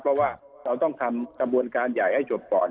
เพราะว่าเราต้องทำกระบวนการใหญ่ให้จบก่อน